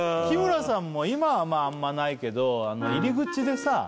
日村さんも今はあんまないけど入り口でさ